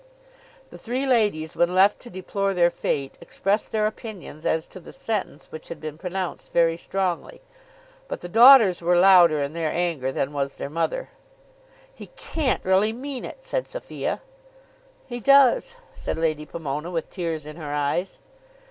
The three ladies, when left to deplore their fate, expressed their opinions as to the sentence which had been pronounced very strongly. But the daughters were louder in their anger than was their mother. "He can't really mean it," said Sophia. "He does," said Lady Pomona, with tears in her eyes.